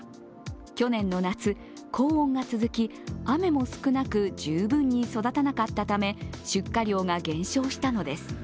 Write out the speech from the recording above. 去年の夏、高温が続き雨も少なく十分に育たなかったため、出荷量が減少したのです。